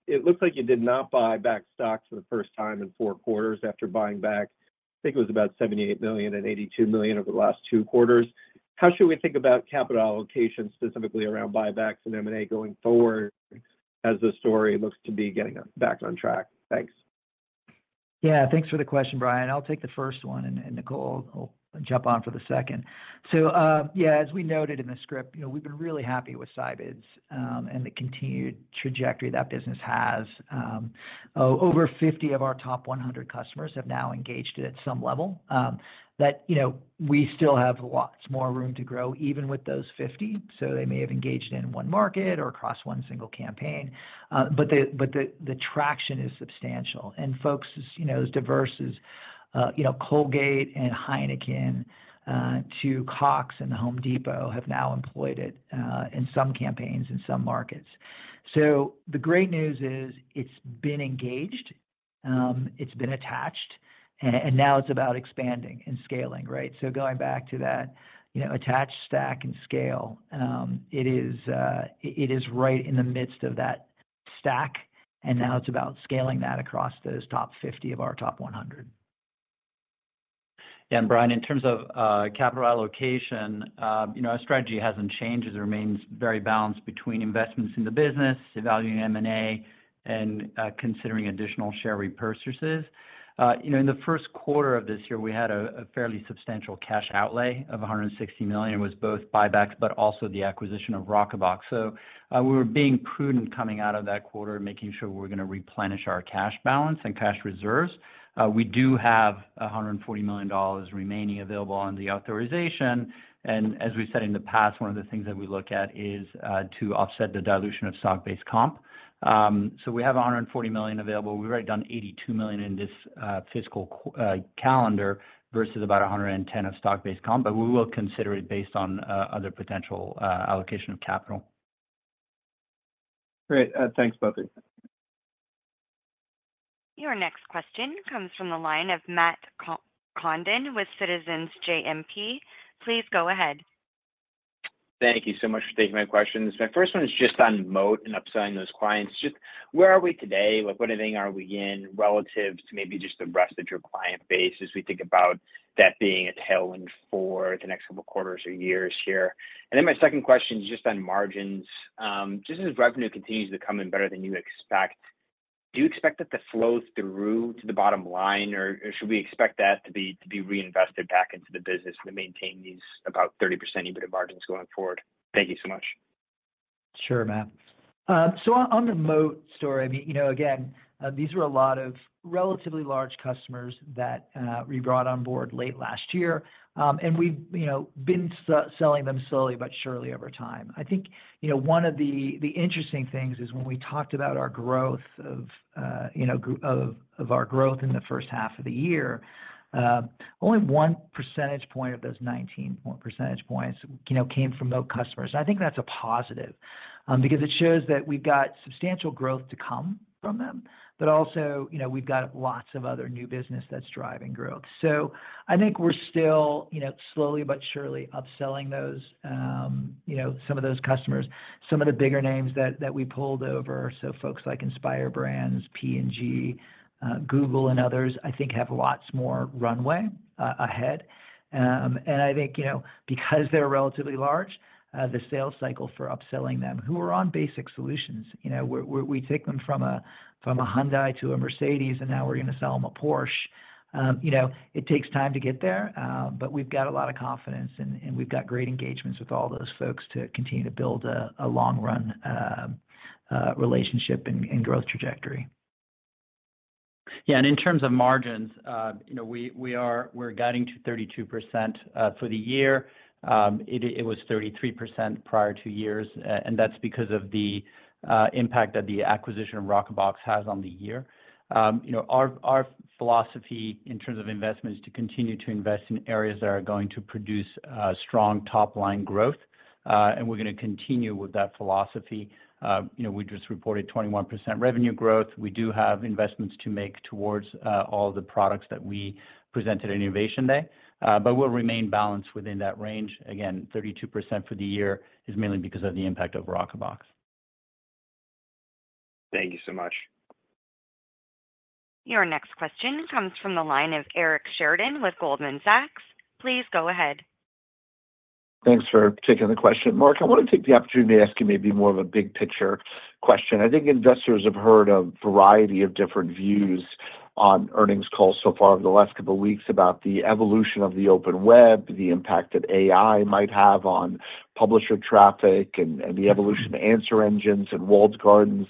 It looks like you did not buy back stock for the first time in four quarters after buying back, I think it was about $78 million and $82 million over the last two quarters. How should we think about capital allocation specifically around buybacks and M&A going forward as the story looks to be getting back on track? Thanks. Yeah, thanks for the question, Brian. I'll take the first one, and Nicola will jump on for the second. As we noted in the script, we've been really happy with Scibids and the continued trajectory that business has. Over 50 of our top 100 customers have now engaged in it at some level. We still have lots more room to grow even with those 50. They may have engaged in one market or across one single campaign, but the traction is substantial. Folks as diverse as Colgate and Heineken to Cox and The Home Depot have now employed it in some campaigns in some markets. The great news is it's been engaged, it's been attached, and now it's about expanding and scaling, right? Going back to that attach, stack, and scale, it is right in the midst of that stack, and now it's about scaling that across those top 50 of our top 100. Yeah, and Brian, in terms of capital allocation, our strategy hasn't changed as it remains very balanced between investments in the business, evaluating M&A, and considering additional share repurchases. In the first quarter of this year, we had a fairly substantial cash outlay of $160 million. It was both buybacks, but also the acquisition of Rockerbox. We were being prudent coming out of that quarter, making sure we were going to replenish our cash balance and cash reserves. We do have $140 million remaining available on the authorization. As we've said in the past, one of the things that we look at is to offset the dilution of stock-based comp. We have $140 million available. We've already done $82 million in this fiscal calendar versus about $110 million of stock-based comp, but we will consider it based on other potential allocation of capital. Great. Thanks, both of you. Your next question comes from the line of Matt Condon with Citizens JMP. Please go ahead. Thank you so much for taking my questions. My first one is just on MOAT and upselling those clients. Where are we today? What thing are we in relative to maybe just the rest of your client base as we think about that being a tailwind for the next couple of quarters or years here? My second question is just on margins. As revenue continues to come in better than you expect, do you expect that to flow through to the bottom line, or should we expect that to be reinvested back into the business to maintain these about 30% EBITDA margins going forward? Thank you so much. Sure, Matt. On the MOAT story, these were a lot of relatively large customers that we brought on board late last year, and we've been selling them slowly but surely over time. One of the interesting things is when we talked about our growth in the first half of the year, only 1% of those 19% came from Moat customers. I think that's a positive because it shows that we've got substantial growth to come from them, but also we've got lots of other new business that's driving growth. I think we're still slowly but surely upselling those, some of those customers. Some of the bigger names that we pulled over, folks like Inspire Brands, P&G, Google, and others, have lots more runway ahead. Because they're relatively large, the sales cycle for upselling them, who are on basic solutions, we take them from a Hyundai to a Mercedes, and now we're going to sell them a Porsche. It takes time to get there, but we've got a lot of confidence, and we've got great engagements with all those folks to continue to build a long-run relationship and growth trajectory. Yeah, and in terms of margins, we're guiding to 32% for the year. It was 33% prior to years, and that's because of the impact that the acquisition of Rockerbox has on the year. Our philosophy in terms of investment is to continue to invest in areas that are going to produce strong top-line growth, and we're going to continue with that philosophy. We just reported 21% revenue growth. We do have investments to make towards all of the products that we presented at Innovation Day, but we'll remain balanced within that range. Again, 32% for the year is mainly because of the impact of Rockerbox. Thank you so much. Your next question comes from the line of Eric Sheridan with Goldman Sachs. Please go ahead. Thanks for taking the question, Mark. I want to take the opportunity to ask you maybe more of a big-picture question. I think investors have heard a variety of different views on earnings calls so far over the last couple of weeks about the evolution of the open web, the impact that AI might have on publisher traffic, and the evolution of answer engines and walled gardens.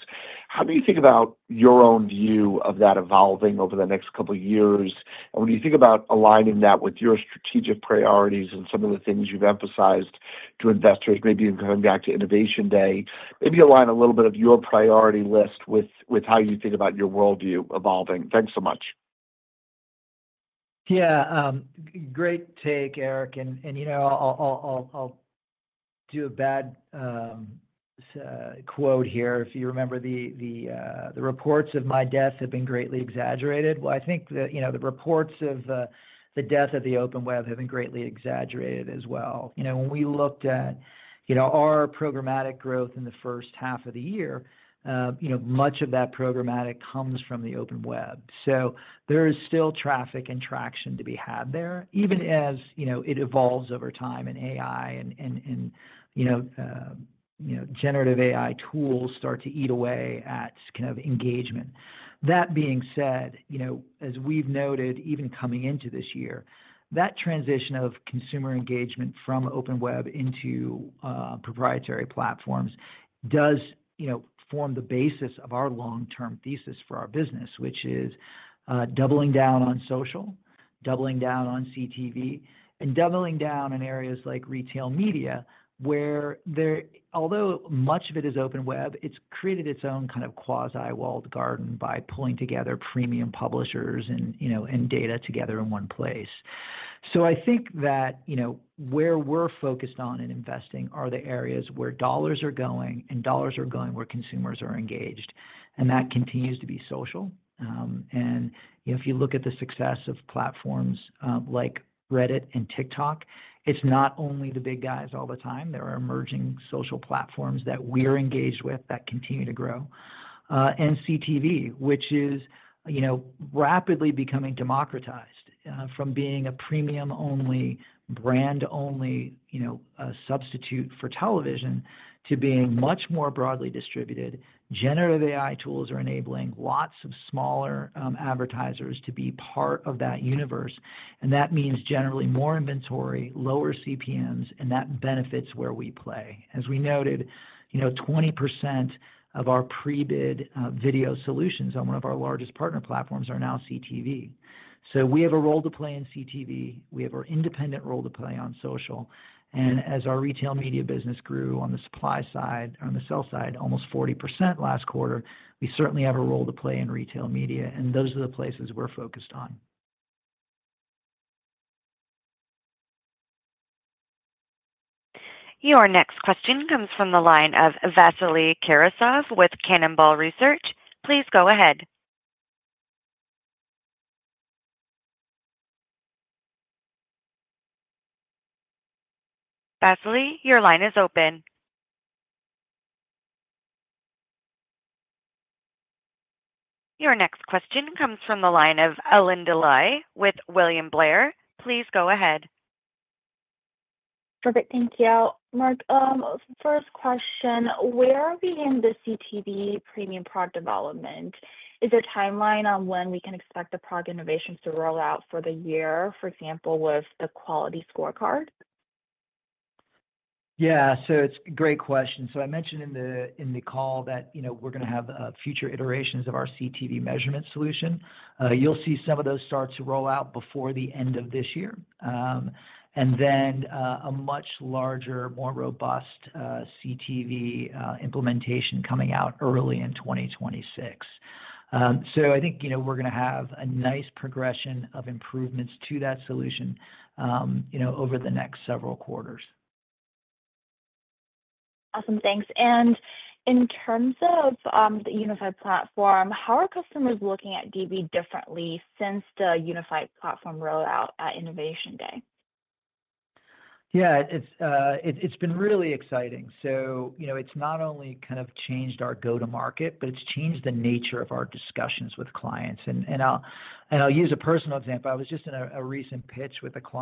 How do you think about your own view of that evolving over the next couple of years? When you think about aligning that with your strategic priorities and some of the things you've emphasized to investors, maybe in coming back to Innovation Day, maybe align a little bit of your priority list with how you think about your worldview evolving. Thanks so much. Great take, Eric. I'll do a bad quote here. If you remember, the reports of my death have been greatly exaggerated. I think that the reports of the death of the open web have been greatly exaggerated as well. When we looked at our programmatic growth in the first half of the year, much of that programmatic comes from the open web. There is still traffic and traction to be had there, even as it evolves over time and AI and generative AI tools start to eat away at engagement. That being said, as we've noted, even coming into this year, that transition of consumer engagement from open web into proprietary platforms does form the basis of our long-term thesis for our business, which is doubling down on social, doubling down on CTV, and doubling down in areas like retail media, where there, although much of it is open web, it's created its own kind of quasi-walled garden by pulling together premium publishers and data together in one place. I think that where we're focused on in investing are the areas where dollars are going, and dollars are going where consumers are engaged. That continues to be social. If you look at the success of platforms like Reddit and TikTok, it's not only the big guys all the time. There are emerging social platforms that we're engaged with that continue to grow. CTV, which is rapidly becoming democratized from being a premium-only, brand-only substitute for television to being much more broadly distributed. Generative AI tools are enabling lots of smaller advertisers to be part of that universe. That means generally more inventory, lower CPMs, and that benefits where we play. As we noted, 20% of our pre-bid video solutions on one of our largest partner platforms are now CTV. We have a role to play in CTV. We have our independent role to play on social. As our retail media business grew on the supply side or on the sell side, almost 40% last quarter, we certainly have a role to play in retail media. Those are the places we're focused on. Your next question comes from the line of Vasily Karasyov with Cannonball Research. Please go ahead. Vasily, your line is open. Your next question comes from the line of Alinda Li with William Blair. Please go ahead. Perfect. Thank you, Mark. First question, where are we in the CTV premium product development? Is there a timeline on when we can expect the product innovations to roll out for the year, for example, with the quality score product for CTV? Yeah, it's a great question. I mentioned in the call that we're going to have future iterations of our CTV measurement solution. You'll see some of those start to roll out before the end of this year, and then a much larger, more robust CTV implementation coming out early in 2026. I think we're going to have a nice progression of improvements to that solution over the next several quarters. Awesome. Thanks. In terms of the unified platform, how are customers looking at DV differently since the unified platform rollout at Innovation Day? Yeah, it's been really exciting. It's not only kind of changed our go-to-market, but it's changed the nature of our discussions with clients. I'll use a personal example. I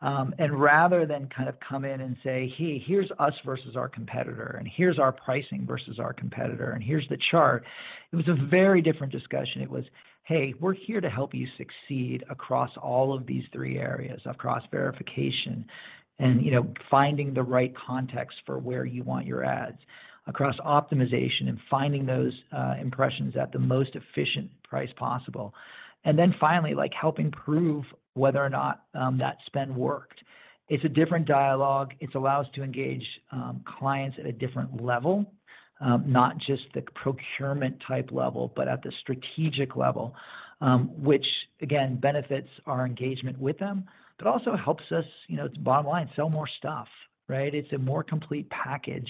was just in a recent pitch with a client. Rather than kind of come in and say, "Hey, here's us versus our competitor, and here's our pricing versus our competitor, and here's the chart," it was a very different discussion. It was, "Hey, we're here to help you succeed across all of these three areas: across verification and, you know, finding the right context for where you want your ads; across optimization and finding those impressions at the most efficient price possible; and then finally, like helping prove whether or not that spend worked." It's a different dialogue. It allows us to engage clients at a different level, not just the procurement type level, but at the strategic level, which, again, benefits our engagement with them, but also helps us, you know, bottom line, sell more stuff, right? It's a more complete package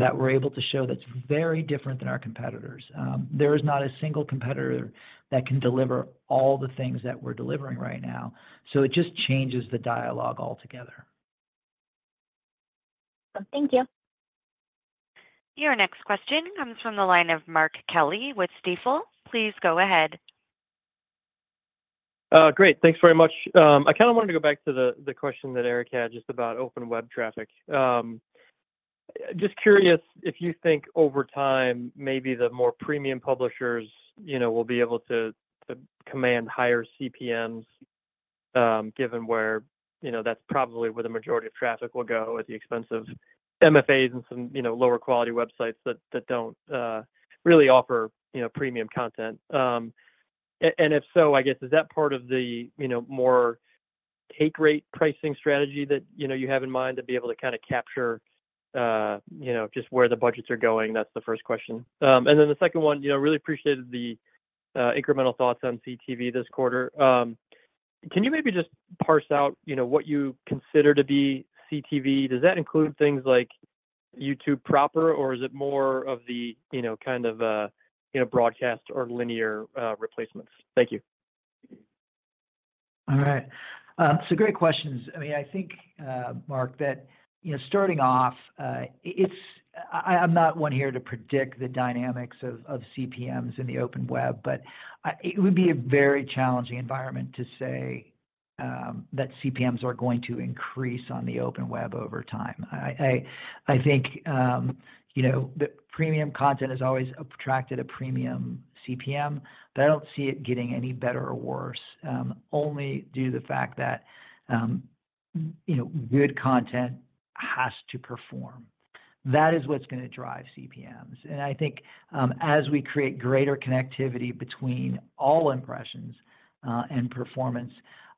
that we're able to show that's very different than our competitors. There is not a single competitor that can deliver all the things that we're delivering right now. It just changes the dialogue altogether. Thank you. Your next question comes from the line of Mark Kelly with Stifel. Please go ahead. Great. Thanks very much. I kind of wanted to go back to the question that Eric had just about open web traffic. Just curious if you think over time, maybe the more premium publishers will be able to command higher CPMs, given where that's probably where the majority of traffic will go at the expense of MFAs and some lower quality websites that don't really offer premium content. If so, I guess, is that part of the more take-rate pricing strategy that you have in mind to be able to kind of capture just where the budgets are going? That's the first question. The second one, I really appreciated the incremental thoughts on CTV this quarter. Can you maybe just parse out what you consider to be CTV? Does that include things like YouTube proper, or is it more of the broadcast or linear replacements? Thank you. All right. Great questions. I mean, I think, Mark, that, you know, starting off, I'm not one here to predict the dynamics of CPMs in the open web, but it would be a very challenging environment to say that CPMs are going to increase on the open web over time. I think the premium content has always attracted a premium CPM, but I don't see it getting any better or worse, only due to the fact that good content has to perform. That is what's going to drive CPMs. I think as we create greater connectivity between all impressions and performance,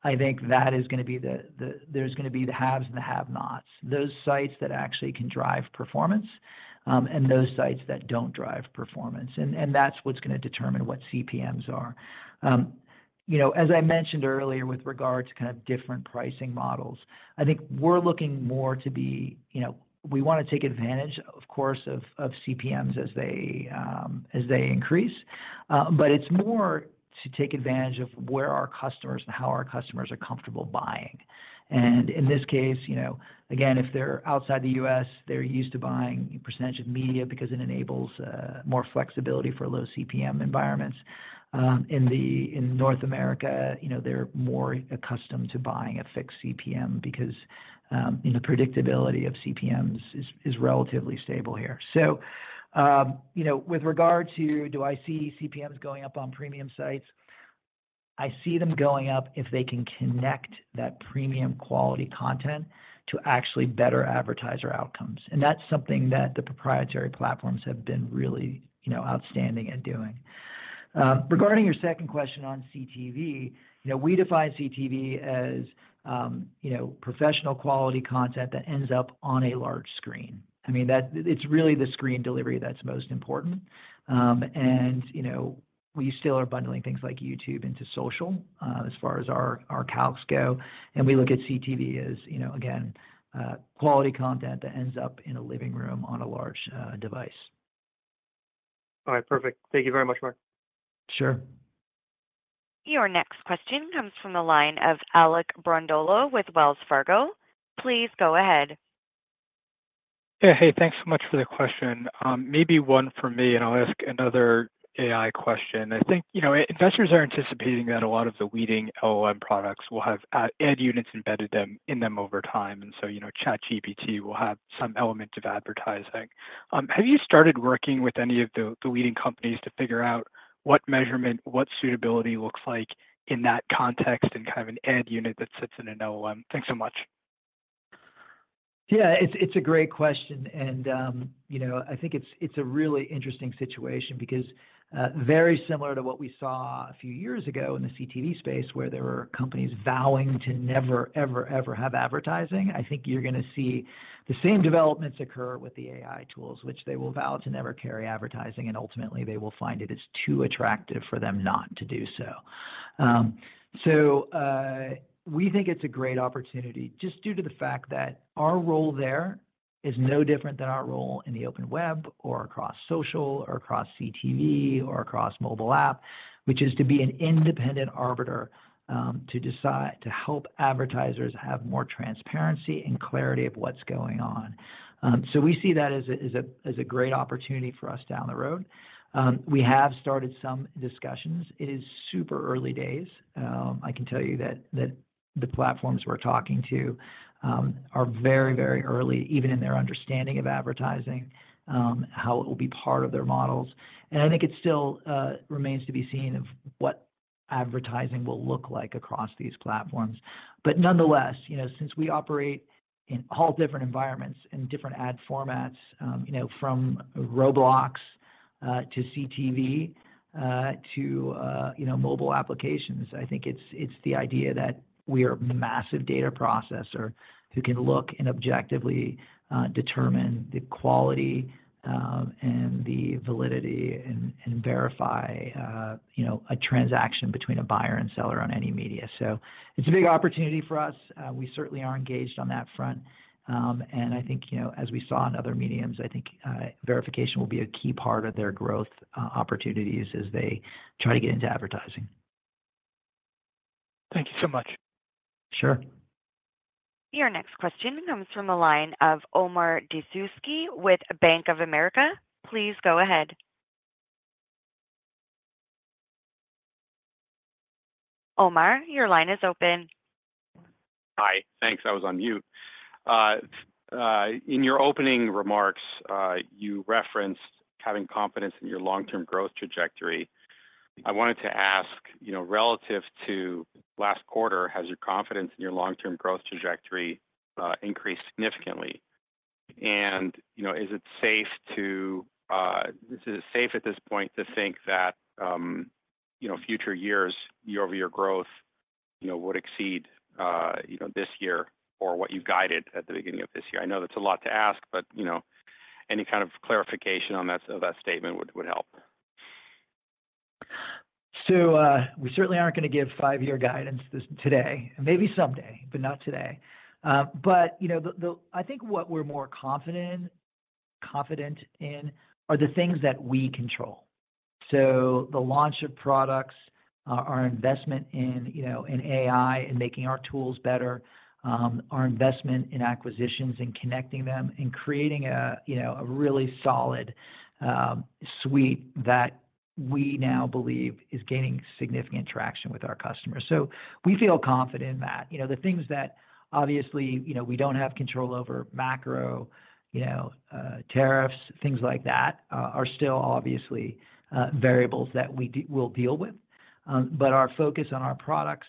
that is going to be the, there's going to be the haves and the have-nots, those sites that actually can drive performance and those sites that don't drive performance. That's what's going to determine what CPMs are. As I mentioned earlier, with regard to kind of different pricing models, I think we're looking more to be, you know, we want to take advantage, of course, of CPMs as they increase, but it's more to take advantage of where our customers and how our customers are comfortable buying. In this case, again, if they're outside the U.S., they're used to buying a percentage of media because it enables more flexibility for low CPM environments. In North America, they're more accustomed to buying a fixed CPM because predictability of CPMs is relatively stable here. With regard to do I see these CPMs going up on premium sites? I see them going up if they can connect that premium quality content to actually better advertiser outcomes. That's something that the proprietary platforms have been really outstanding at doing. Regarding your second question on CTV, we define CTV as professional quality content that ends up on a large screen. It's really the screen delivery that's most important. We still are bundling things like YouTube into social as far as our calcs go. We look at CTV as, again, quality content that ends up in a living room on a large device. All right, perfect. Thank you very much, Mark. Sure. Your next question comes from the line of Alec Brondolo with Wells Fargo. Please go ahead. Yeah, hey, thanks so much for the question. Maybe one for me, and I'll ask another AI question. I think investors are anticipating that a lot of the leading LLM products will have ad units embedded in them over time. You know, ChatGPT will have some element of advertising. Have you started working with any of the leading companies to figure out what measurement, what suitability looks like in that context and kind of an ad unit that sits in an LLM? Thanks so much. Yeah, it's a great question. I think it's a really interesting situation because, very similar to what we saw a few years ago in the CTV space where there were companies vowing to never, ever, ever have advertising, I think you're going to see the same developments occur with the AI tools, which they will vow to never carry advertising, and ultimately, they will find it as too attractive for them not to do so. We think it's a great opportunity just due to the fact that our role there is no different than our role in the open web or across social or across CTV or across mobile app, which is to be an independent arbiter to help advertisers have more transparency and clarity of what's going on. We see that as a great opportunity for us down the road. We have started some discussions. It is super early days. I can tell you that the platforms we're talking to are very, very early, even in their understanding of advertising, how it will be part of their models. I think it still remains to be seen what advertising will look like across these platforms. Nonetheless, since we operate in all different environments and different ad formats, from Roblox to CTV to mobile applications, I think it's the idea that we are a massive data processor who can look and objectively determine the quality and the validity and verify a transaction between a buyer and seller on any media. It's a big opportunity for us. We certainly are engaged on that front. I think, as we saw in other mediums, verification will be a key part of their growth opportunities as they try to get into advertising. Thank you so much. Sure. Your next question comes from the line of Omar Dessouky with Bank of America. Please go ahead. Omar, your line is open. Hi. Thanks. I was on mute. In your opening remarks, you referenced having confidence in your long-term growth trajectory. I wanted to ask, relative to last quarter, has your confidence in your long-term growth trajectory increased significantly? Is it safe at this point to think that future years, year-over-year growth, would exceed this year or what you guided at the beginning of this year? I know that's a lot to ask, but any kind of clarification on that statement would help. We certainly aren't going to give five-year guidance today. Maybe someday, but not today. I think what we're more confident in are the things that we control. The launch of products, our investment in AI and making our tools better, our investment in acquisitions and connecting them and creating a really solid suite that we now believe is gaining significant traction with our customers. We feel confident in that. The things that obviously we don't have control over—macro, tariffs, things like that—are still obviously variables that we will deal with. Our focus on our products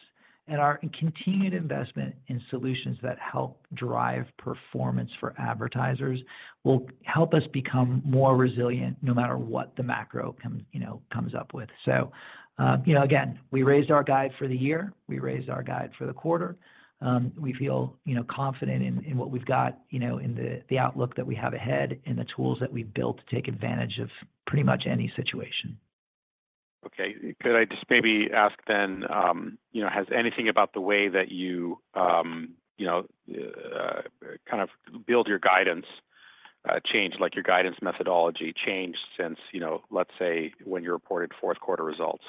and our continued investment in solutions that help drive performance for advertisers will help us become more resilient no matter what the macro comes up with. Again, we raised our guide for the year. We raised our guide for the quarter. We feel confident in what we've got, in the outlook that we have ahead and the tools that we've built to take advantage of pretty much any situation. Okay. Could I just maybe ask, has anything about the way that you kind of build your guidance changed, like your guidance methodology changed since, let's say, when you reported fourth quarter results?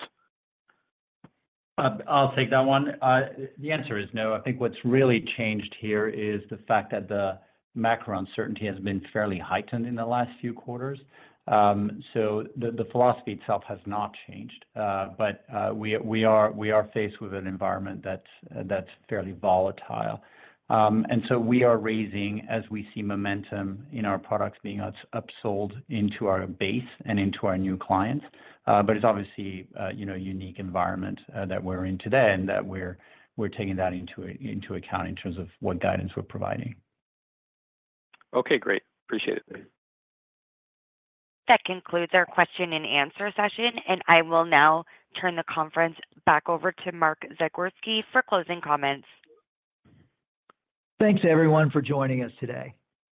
I'll take that one. The answer is no. I think what's really changed here is the fact that the macro uncertainty has been fairly heightened in the last few quarters. The philosophy itself has not changed. We are faced with an environment that's fairly volatile, and we are raising as we see momentum in our products being upsold into our base and into our new clients. It's obviously, you know, a unique environment that we're in today, and we're taking that into account in terms of what guidance we're providing. Okay, great. Appreciate it. That concludes our question and answer session. I will now turn the conference back over to Mark Zagorski for closing comments. Thanks, everyone, for joining us today.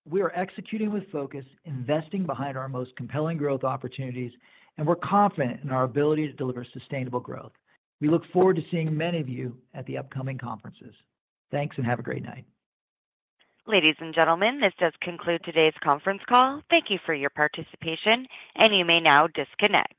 We are executing with focus, investing behind our most compelling growth opportunities, and we're confident in our ability to deliver sustainable growth. We look forward to seeing many of you at the upcoming conferences. Thanks and have a great night. Ladies and gentlemen, this does conclude today's conference call. Thank you for your participation, and you may now disconnect.